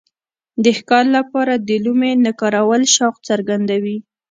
د ښکار لپاره د لومې نه کارول شوق څرګندوي.